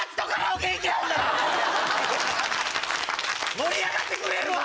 盛り上がってくれるわ！